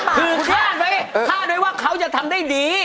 คือคาดไว้คาดไว้ว่าเขาจะทำได้ดี